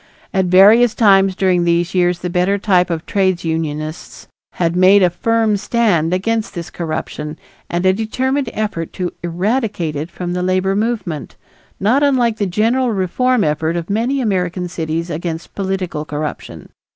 At various times during these years the better type of trades unionists had made a firm stand against this corruption and a determined effort to eradicate it from the labor movement, not unlike the general reform effort of many American cities against political corruption.